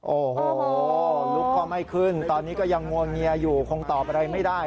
โอ้โหลุกก็ไม่ขึ้นตอนนี้ก็ยังงวงเงียอยู่คงตอบอะไรไม่ได้